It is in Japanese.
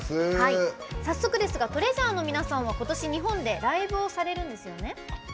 早速ですがＴＲＥＡＳＵＲＥの皆さんはことし、日本でライブをされるんですよね。